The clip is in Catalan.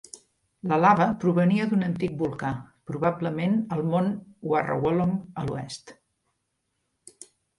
La lava provenia d'un antic volcà, probablement el mont Warrawolong a l'oest.